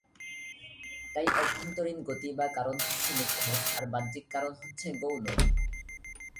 তাই অভ্যন্তরীণ গতি বা কারণ হচ্ছে মুখ্য আর বাহ্যিক কারণ হচ্ছে গৌণ।